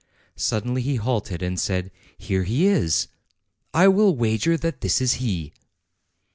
Suddenly he halted and said: "Here he is. I will wager that this is he."